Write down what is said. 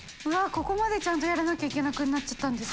ここまでちゃんとやらなきゃい韻覆なっちゃったんですか？